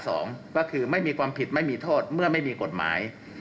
สองก็คือไม่มีความผิดไม่มีโทษเมื่อไม่มีกฎหมาย